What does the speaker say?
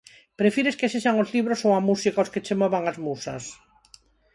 Prefires que sexan os libros ou a música os que che movan as musas?